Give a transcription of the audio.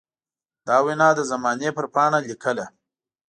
دا وينا د زمانې پر پاڼه ليکله.